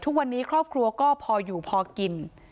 แต่ทุกวันนี้ครอบครัวก็พออยู่พอกิน